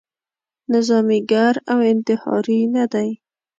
نظاميګر او انتحاري نه دی.